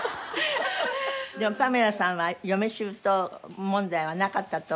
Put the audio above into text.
でもパメラさんは嫁姑問題はなかったとおっしゃったけど。